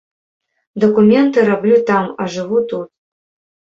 Дакументы раблю там, а жыву тут.